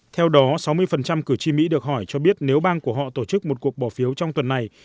theo đó sáu mươi cử tri mỹ được hỏi cho biết nếu bang của họ tổ chức một cuộc bỏ phiếu trong tuần này